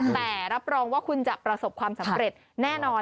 แต่รับรองว่าคุณจะประสบความสำเร็จแน่นอน